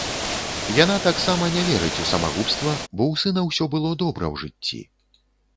Яна таксама не верыць у самагубства, бо ў сына ўсё было добра ў жыцці.